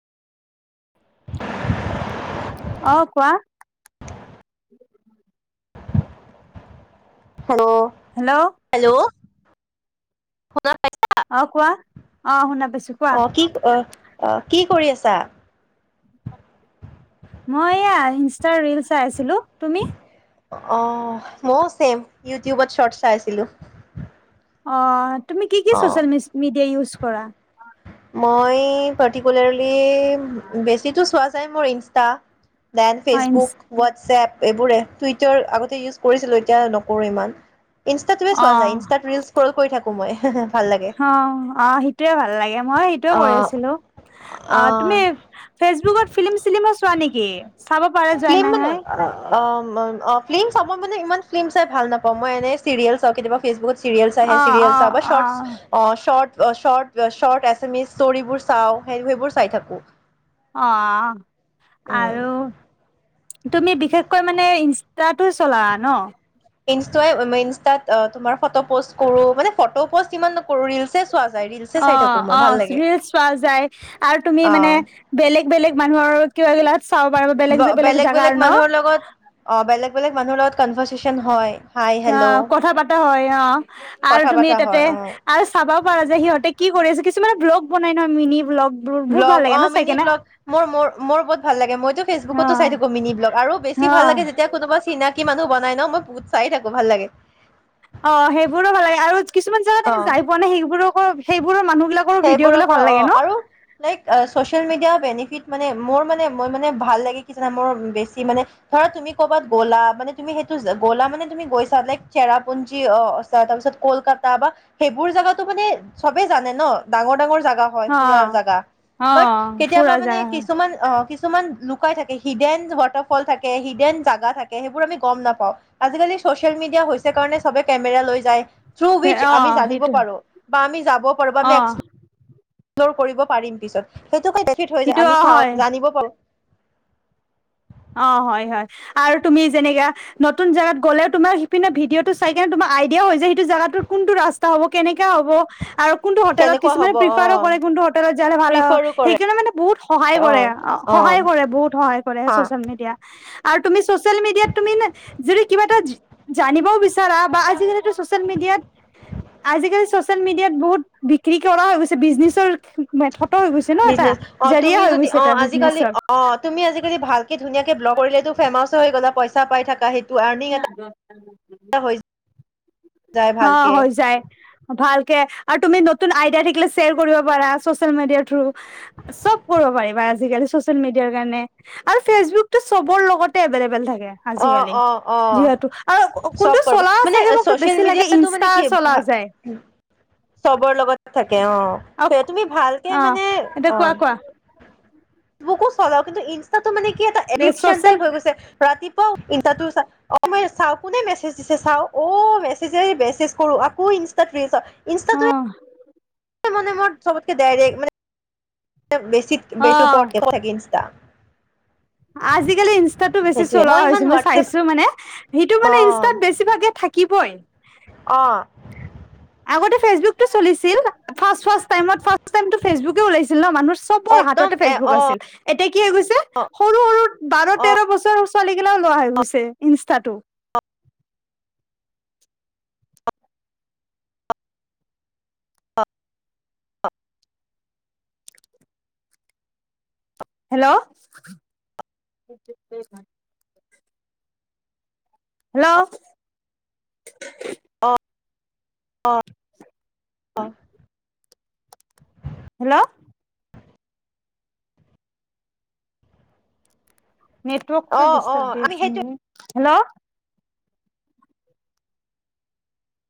আহ কোৱা hello hello hello [unintelligible] অ কোৱা অ শুনা পাইছো কোৱা অ কি অ কি কৰি আছে। চা মই এয়া ইনষ্টাৰ ৰিল চাই আছিলো। তুমি অ মইও চছেম ইউটিউবত শৰ্ট চাইছিলো। অ তুমি কি-কি ছচিয়েল মিডিয়া ইউজ কৰা মই পাৰ্টিকুলাৰলি [unintelligible] বেছিটো ছোৱা এটাই মোৰ ইনষ্টা দেন অ ফেচবুক ৱাটছএপ এইবোৰে টুইটাৰ আগতে ইউজ কৰিছিলোঁ এতিয়া নকৰো ইমান ইনষ্টা তে অ চোৱা যায় ইনষ্টাত কৰি কৰি থাকো সময় হে অ অ সেইটোৱে ভাল। ভাল লাগে মই সেইটো অ কৰি আছিলো। অ তুমি ফেচবুকত ফিল্ম চিলিম চোৱা নেকি? চাব পাৰা যায় নহয় অ অ ফিল্ম চাব মই মানে ইমান ফিল্ম চাই ভাল নাপাওঁ মই এনে চিৰিয়েল চাওঁ কেতিয়াবা ফেচবুকত চিৰিয়েলছ আহে অ অ চিৰিয়েলছ বা অ শৰ্ট অ শৰ্ট শট-শৰ্ট এছ এম ইছ ষ্টৰিবোৰ চাওঁ সেই সেইবোৰ চাই থাকো। অ আৰু তুমি বিশেষকৈ মানে ইনষ্টাটো চলা ন? ইনষ্টই ইনষ্টাত তোমাৰ ফট পষ্ট কৰো মানে ফট পষ্ট ইমান নকৰো ৰিলছ। অ-অ ৰিলচ পোৱা যায় আৰু তুমি মানে অ' বেলেগ-বেলেগ মানুহৰ কিবা গলা বেলেগ-বেলেগ মানুহৰ লগত অ বেলেগ-বেলেগ মানুহৰ লগত কনভাৰ্চচন হয়। হাই অ হেল্ল' কথা পাতা হয় অ আৰু কথা তুমি পতা তাতে হয় অ' আৰু চাবাও পাৰা যে সিহঁতে কি কৰি আছ কি? কিছুমান ব্লগ বনাই নহ মিনিব্লগ। ব্লগ অ মিনি ব্লগ মোৰোৰ মোৰ বহুত ভাল লাগে মইতো অ ফেচবুকতো চাই থাকো মিনি ব্লগ আৰু বেছি অ ভাল লাগে যেতিয়া কোনোবা চিনাকি কি মানুহ বনাই ন মই বহুত চাই থাকো ভাল লাগে। অ সেইবোৰো ভাল লাগে আৰু কিছুমান জেগাত আমি অ যাই পোৱা নাই সেইবোৰক সেইবোৰৰ পৰা অ লাগে ন আৰু লাইক চচিয়েল মিডিয়া বেনিফিট মানে মোৰ মানে মই মানে ভাল লাগে কিছু মোৰ বেছি মানে ধৰা তুমি ক'বাত গ'লা মানে তুমি সেইটো গ'লা মানে তুমি গৈছা ল চেৰাপুঞ্জী অ আছা তাৰপিছত কলকাতা বা সেইবোৰ জেগাতো মানে চবেই জানে ন ডাঙৰ ডাঙৰ জাগা। হয় অ ফুৰা জেগা অ বাট কেতিয়াবা ফুৰা মানে জাগা কিছুমান অ কিছুমান লুকাই থাকে হিডেন ৱাটাৰফল থাকে হিডেন জাগা থাকে সেইবোৰ আমি গম নাপাও আজিকালি চচিয়েল মিডিয়া হৈছে কাৰণে কেমেৰা লৈ যায়। থ্ৰু হয় উইচ অ আমি জানিব সেইটো পাৰো। আমি যাব পাৰিব অ আমি একস [unintelligible] কৰিব পাৰিম পিছত। সেইটোকে ডেফিট হৈ সেইটো যায় অ আমি চাওঁ হয় জানিব পাৰো। অ হয় হয় আৰু তুমি যেনেকাে নতুন জেগাত গ'লে তোমাৰ সিপিনে ভিডিঅ'টো চাই কেনে তোমাৰ আইডিয়াও হৈছে সেইটো জেগাাটো কোনটো ৰাস্তা হ'ব কেনেক হ'ব আৰু কোনটো হোটেলত কেনেকুৱা কিছুমানে হ'ব অ প্ৰিফাৰ ও কৰে কোনটো হোটেলত যালে ভাল হয় প্ৰিফাৰো কৰে সেইকাৰণে মানে বহুত সহায় অ কৰে অ সহায় কৰে বহুত সহায় কৰে। হা জমি দিয়া। আৰু তুমি চচিয়েল মিডিয়াত তুমি যদি কিবা এটা জানিবও বিচাৰা বা আজিকালিটো চচিয়েল মিডিয়াত আজিকালি চচিয়েল মিডিয়াত বহুত বিক্ৰী কৰা হৈ বিজনেচৰ থত হৈ গৈছে ন এটা বিজনেছ অ জাৰিয়া তুমি হৈ যদি গৈছে অ এটা আজিকালি বিজনেছৰ। ব্ল কৰিলেটো ফেমাছ ও হয়। পইচা পাই থাকা সেইটো আৰ্নিং ন দ এটা হৈ যায় অঁ ভালকে হৈ যায় ভালকৈ আৰু তুমি নতুন আইয়া থিলেয় কৰিব পাৰা চচ মিয় থব পাৰিবািয়াৰ আৰু অ আজিকালি অ অ যিহেতু আৰু কোনটো চলা আঁ চাগে মোক বেছি লাগে মিডিয়টো মানে ইনষ্টা কি ভ চলা যায় চবৰ লগত তাকে অঁ অ স অ তুমি ভালকৈ মানে এতিয়া অঁ কোৱা কোৱা ফেচবুক চলাও কিন্তু ইনষ্ট মানে কি এটা এ এডিকন চচিয়েল টাইপ হৈ গৈছে ৰাতিপুৱাই ই চা অঁ মই চাওঁ কোনে মেছেজ দিছে চাওঁ অঁ মেছেজ মেছেজ কৰো আকৌ ইনটা হম মানে মোৰ চবতকৈ ডাইৰেক্ট মান বে বেছি অ ওপৰ থাকে মানে ইনচটা আজিকালি ইনষ্টাতটো বেছি সেইটোৱে চলোৱা হৈ ইমান হৈছে মই হোৱাটছএপ চাইছো মানে সেইটো মানে ইনষ্টাত বেছিভাগে থাকিব বই অঁ আগতে ফেচবুকৰ চলাছিল ফেচবুকতো চলছিল ন মানুহ চবৰ একদম হাততে এ ফেচবুক অ আছিল এতিয়া কি হৈ গৈছে অ সৰু সৰু বাৰ অ তেৰ বছৰ ছোৱালীগিলাওঁ লোৱা হৈ গৈছে ইনষ্টাটো হেল্ল' হেল্ল' অঁ অঁ হেল্ল' অ অ নেটৱৰ্কটো অ ডিষ্টাৰ্ব দি আমি আছোি সেইটো হেল্ল'